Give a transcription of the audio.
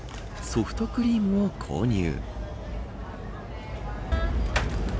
ソフトクリームを購入。